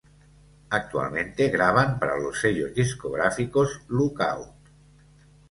Actualmente graban para los sellos discográficos Lookout!